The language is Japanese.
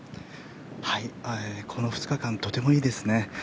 この２日間とてもいいですね。